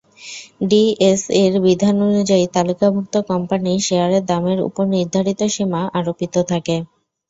ডিএসইর বিধান অনুযায়ী, তালিকাভুক্ত কোম্পানির শেয়ারের দামের ওপর নির্ধারিত সীমা আরোপিত থাকে।